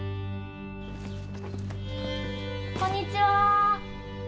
こんにちは。